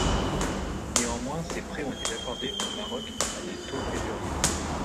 Néanmoins, ces prêts ont été accordés au Maroc à des taux usuriers.